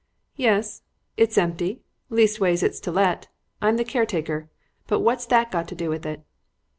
"Yes, it's empty leastways it's to let. I'm the caretaker. But what's that got to do with it?"